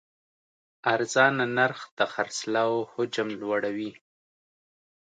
ارزانه نرخ د خرڅلاو حجم لوړوي.